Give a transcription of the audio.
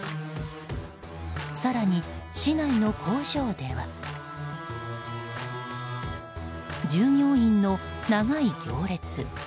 更に市内の工場では従業員の長い行列。